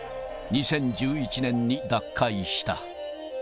２０１１年に脱会した。